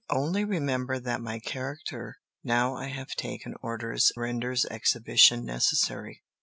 Only remember that my character now I have taken orders renders exhibition necessary.